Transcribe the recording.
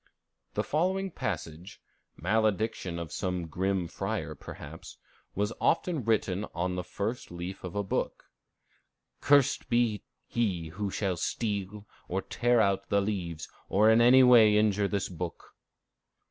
The following passage, malediction of some grim friar perhaps, was often written on the first leaf of a book: "Cursed be he who shall steal or tear out the leaves, or in any way injure this book."